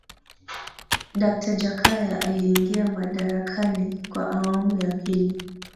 dakta jakaya aliingia madarakani kwa awamu ya pili